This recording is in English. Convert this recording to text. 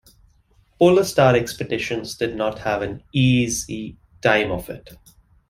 Polar Star Expeditions did not have an easy time of it.